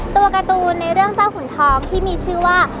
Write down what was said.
ตัวการ์ตูนในเรื่องเจ้าขุนทองที่มีชื่อว่า